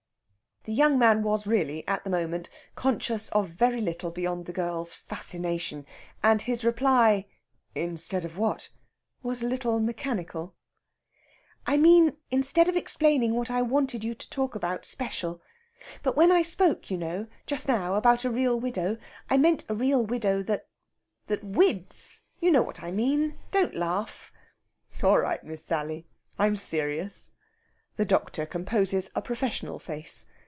The young man was really, at the moment, conscious of very little beyond the girl's fascination, and his reply, "Instead of what?" was a little mechanical. "I mean instead of explaining what I wanted you to talk about special. But when I spoke, you know, just now about a real widow, I meant a real widow that that wids you know what I mean. Don't laugh!" "All right, Miss Sally. I'm serious." The doctor composes a professional face.